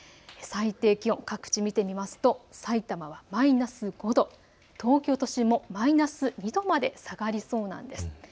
最低気温、各地見ていきますとさいたまマイナス５度、東京都心もマイナス２度まで下がりそうなんです。